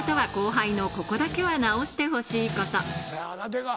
出川